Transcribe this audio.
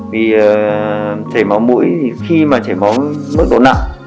vì chảy máu mũi khi chảy máu mức độ nặng